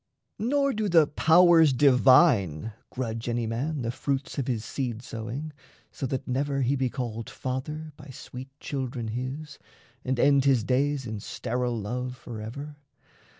Nor do the powers divine grudge any man The fruits of his seed sowing, so that never He be called "father" by sweet children his, And end his days in sterile love forever.